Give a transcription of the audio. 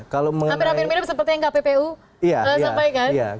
hampir hampir mirip seperti yang kppu sampaikan